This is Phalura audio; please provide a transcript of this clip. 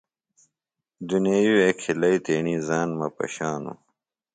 دُنیئی وے کھلیئی تیݨی ژان مہ پشانوۡ۔